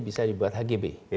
bisa dibuat hgb